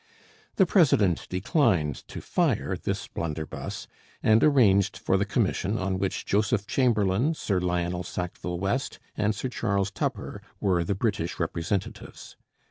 The president declined to fire this blunderbuss, and arranged for the commission on which Joseph Chamberlain, Sir Lionel Sackville West, and Sir Charles Tupper were the British representatives.